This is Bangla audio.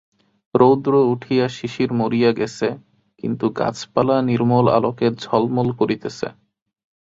রৌদ্র উঠিয়া শিশির মরিয়া গেছে, কিন্তু গাছপালা নির্মল আলোকে ঝলমল করিতেছে।